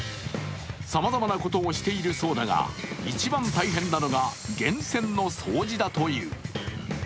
さまざまなことをしているそうだが一番大変なのが源泉の掃除だという。